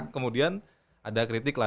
kemudian ada kritik lah